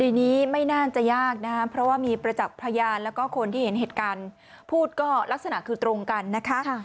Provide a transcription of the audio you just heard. นี้ไม่น่าจะยากนะคะเพราะว่ามีประจักษ์พยานแล้วก็คนที่เห็นเหตุการณ์พูดก็ลักษณะคือตรงกันนะคะ